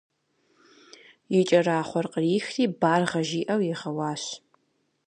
И кӏэрахъуэр кърихри «баргъэ» жиӏэу игъэуащ.